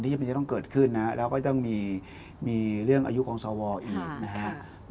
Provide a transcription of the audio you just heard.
จำเป็นจะต้องเกิดขึ้นนะแล้วก็จะต้องมีเรื่องอายุของสวอีกนะครับ